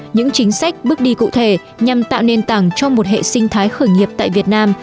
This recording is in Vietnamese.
những chính sách bước đi cụ thể nhằm tạo nền tảng cho một hệ sinh thái khởi nghiệp tại việt nam